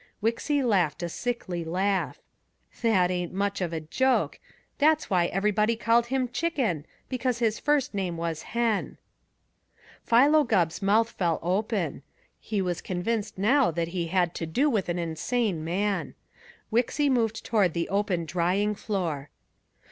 Wixy laughed a sickly laugh. "That ain't much of a joke. That's why everybody called him Chicken, because his first name was Hen." Philo Gubb's mouth fell open. He was convinced now that he had to do with an insane man. Wixy moved toward the open drying floor.